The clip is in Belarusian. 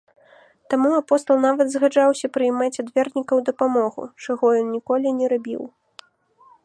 Таму апостал нават згаджаўся прымаць ад вернікаў дапамогу, чаго ён ніколі не рабіў.